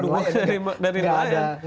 dukungan dari pandu lain